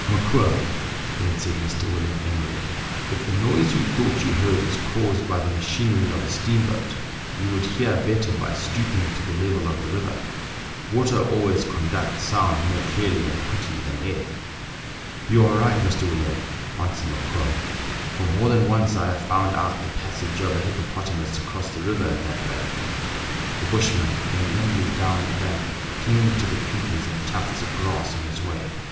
Mokoum," then said Mr. William Emery, " if the noise you thought you heard is caused by the machinery of a steamboat, you would hear better by stooping to the level of the river; water always conducts sound more clearly and quickly than air." " You are right, Mr. William," answered Mokoum, " for more than once I have found out the passage of a hippo potamus across the river in that way." The bushman went nimbly down the bank, clinging to the creepers and tufts oi grass on his way.